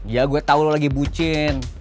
ya gue tau lo lagi bucin